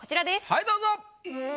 はいどうぞ。